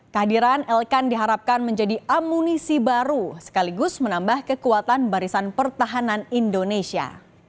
kehadiran elkan diharapkan menjadi amunisi baru sekaligus menambah kekuatan barisan pertahanan indonesia